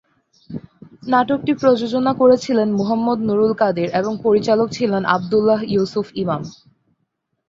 নাটকটি প্রযোজনা করেছিলেন মুহাম্মদ নূরুল কাদির এবং পরিচালক ছিলেন আব্দুল্লাহ ইউসুফ ইমাম।